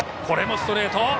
これもストレート！